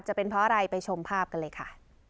จะเป็นเพราะอะไรไปชมภาพกันเลยค่ะ